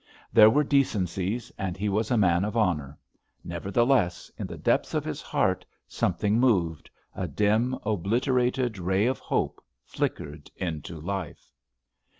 There were decencies, and he was a man of honour; nevertheless, in the depths of his heart, something moved, a dim obliterated ray of hope flickered into life....